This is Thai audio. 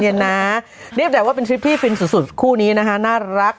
เรียกได้ว่าเป็นทริปที่ฟินสุดคู่นี้นะคะน่ารัก